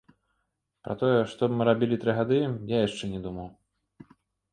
Пра тое, што б мы рабілі тры гады, я яшчэ не думаў.